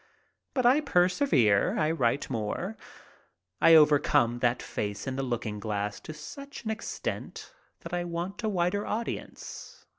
But I persevere. I write more. I over come that face in the looking glass to such an extent that I want a wider audience.